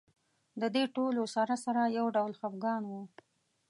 د دې ټولو سره سره یو ډول خپګان و.